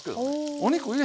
お肉入れ